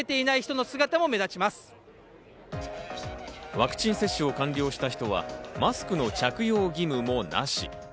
ワクチン接種を完了した人はマスクの着用義務もなし。